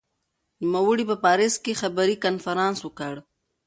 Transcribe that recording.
نوموړي په پاریس کې خبري کنفرانس وکړ.